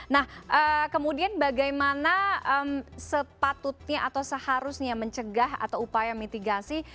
nah kemudian bagaimana sepatutnya atau seharusnya mencegah atau upaya mitigasi